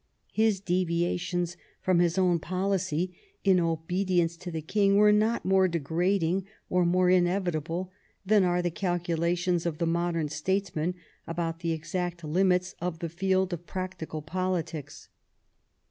His deviations from his own policy in obedi ence to the king were not more degrading or more inevitable than are the calculations of the modem statesman about the exact limits of the field of practical politics.